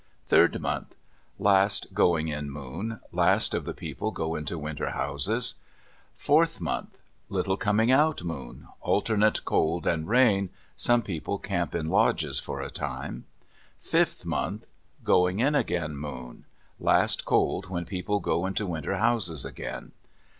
Third month.—Last "going in" moon. Last of the people go into winter houses. Fourth month.—"Little coming out" moon. Alternate cold and rain. Some people camp in lodges for a time. Fifth month.—"Going in again" moon. Last cold when people go into winter houses again.